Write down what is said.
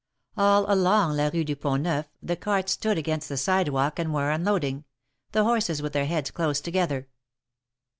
All along la Kue du Pont Neuf the carts stood against the sidewalk and were unloading — the horses with their heads close together.